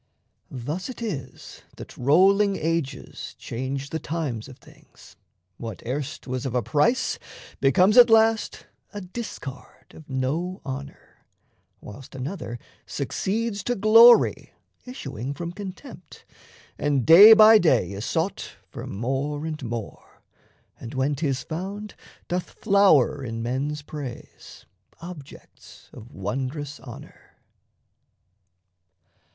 Thus it is That rolling ages change the times of things: What erst was of a price, becomes at last A discard of no honour; whilst another Succeeds to glory, issuing from contempt, And day by day is sought for more and more, And, when 'tis found, doth flower in men's praise, Objects of wondrous honour.